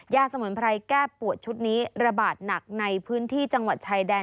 สมุนไพรแก้ปวดชุดนี้ระบาดหนักในพื้นที่จังหวัดชายแดน